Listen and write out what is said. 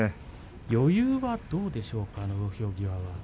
余裕はどうでしょうか土俵際は。